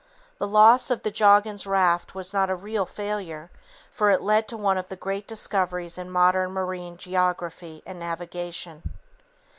The loss of the Joggins raft was not a real failure, for it led to one of the great discoveries in modern marine geography and navigation.